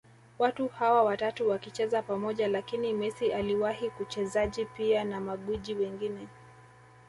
watu hawa watatu wakicheza pamoja Lakini Messi aliwahi kuchezaji pia na magwiji wengine